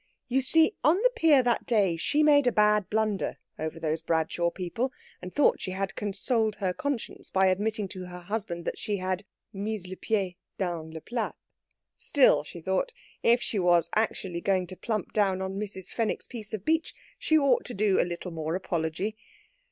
You see, on the pier that day, she made a bad blunder over those Bradshaw people, and though she had consoled her conscience by admitting to her husband that she had "mis le pied dans le plat," still, she thought, if she was actually going to plump down on Mrs. Fenwick's piece of beach, she ought to do a little more apology.